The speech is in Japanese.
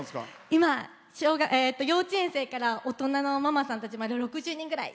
今、幼稚園生から大人のママさんたちまで６０人ぐらい。